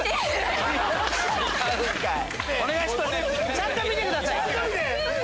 ちゃんと見てください。